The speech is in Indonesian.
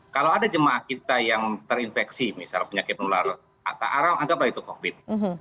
kalau ada jemaah kita yang terinfeksi misal penyakit nular atau anggaplah itu covid